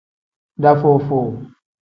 Dafuu-fuu.